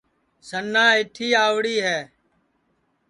سنا ایٹھی آئوڑی ہے